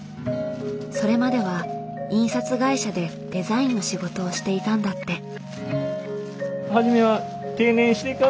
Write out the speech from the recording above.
それまでは印刷会社でデザインの仕事をしていたんだって。